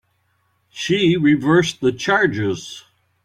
She reversed the charges.